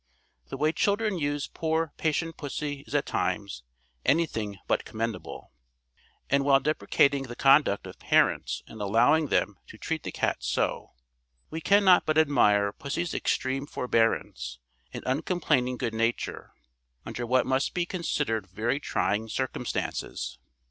The way children use poor patient pussy is at times anything but commendable; and while deprecating the conduct of parents in allowing them to treat the cat so, we cannot but admire pussy's extreme forbearance and uncomplaining good nature, under what must be considered very trying circumstances.